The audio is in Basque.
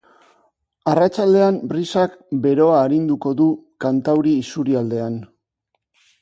Arratsaldean brisak beroa arinduko du kantauri isurialdean.